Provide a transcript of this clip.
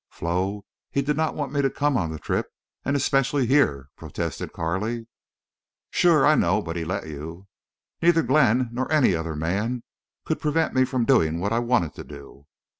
"Flo, he did not want me to come on the trip, and especially here," protested Carley. "Shore I know. But he let you." "Neither Glenn nor any other man could prevent me from doing what I wanted to do."